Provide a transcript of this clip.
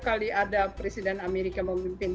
kali ada presiden amerika memimpin